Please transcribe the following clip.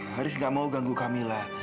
haris gak mau ganggu camilla